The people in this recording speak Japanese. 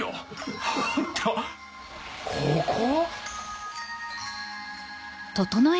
ここ？